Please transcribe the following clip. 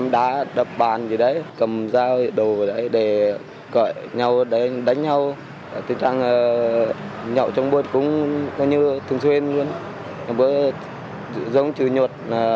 dông trừ nhuột